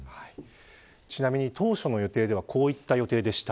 ちなみに当初の予定だとこういった予定でした。